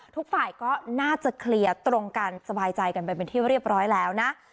ทุกฝ่ายก็น่าจะเคลียร์ตรงกันสบายใจกันไปเป็นที่เรียบร้อยแล้วนะ